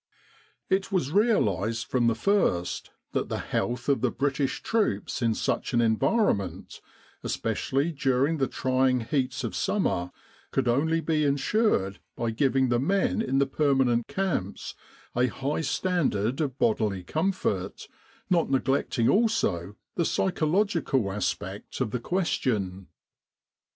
It was realised from the first that the health of the British troops in such an environment, especially during the trying heats of summer, could only be ensured by giving the men in the permanent camps 106 The Defence of Egypt on the West a high standard of bodily comfort, not neglecting also the psychological aspect of the question.